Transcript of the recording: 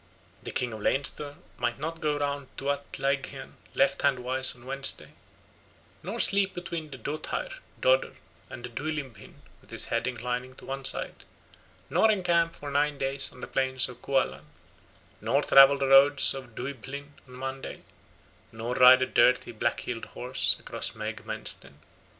The king of Leinster might not go round Tuath Laighean left hand wise on Wednesday, nor sleep between the Dothair (Dodder) and the Duibhlinn with his head inclining to one side, nor encamp for nine days on the plains of Cualann, nor travel the road of Duibhlinn on Monday, nor ride a dirty black heeled horse across Magh Maistean.